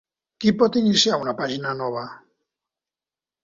Qui pot iniciar una pàgina nova?